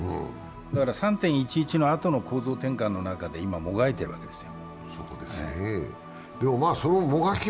だから３・１１のあとの構造転換の中で今、もがいているわけですよ。